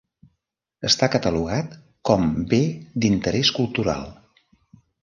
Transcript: Està catalogat com Bé d'interès cultural.